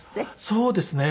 そうですね。